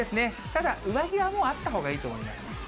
ただ、上着はもうあったほうがいいと思います。